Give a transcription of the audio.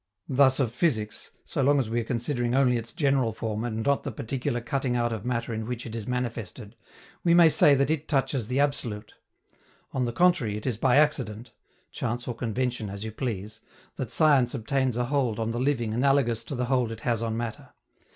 Thus, of physics so long as we are considering only its general form and not the particular cutting out of matter in which it is manifested we may say that it touches the absolute. On the contrary, it is by accident chance or convention, as you please that science obtains a hold on the living analogous to the hold it has on matter.